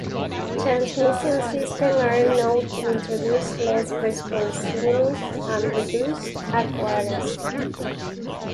Transmission systems are known to introduce less responsiveness and reduced accuracy.